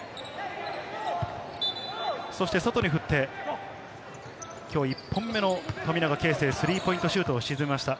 そして外に振って、今日１本目の富永啓生、スリーポイントシュートを沈めました。